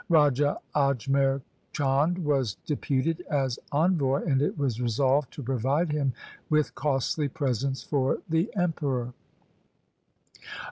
Raja Ajmer Chand was deputed as envoy, and it was resolved to provide him with costly presents for the Emperor.